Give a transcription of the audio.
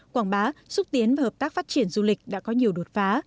quảng bá xúc tiến và hợp tác phát triển du lịch đã có nhiều đột phá